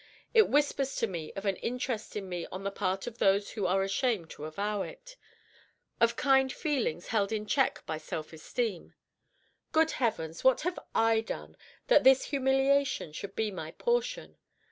It whispers to me of an interest in me on the part of those who are ashamed to avow it, of kind feelings held in check by self esteem. Good Heavens! what have I done, that this humiliation should be my portion?